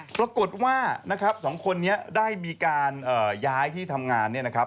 ปรากฏว่านะครับสองคนนี้ได้มีการย้ายที่ทำงานเนี่ยนะครับ